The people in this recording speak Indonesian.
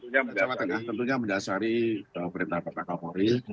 baik polda jawa tengah tentunya mendasari perintah pak kapolri